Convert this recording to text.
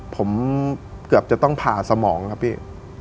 ผมเกือบจะต้องผ่าสมองครับพี่